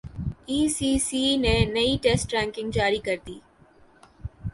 ئی C C نے نئی ٹیسٹ رینکنگ جاری کردی